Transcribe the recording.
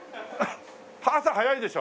朝早いでしょ？